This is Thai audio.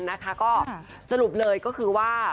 นะคะก็สรุปเลยก็คือว่า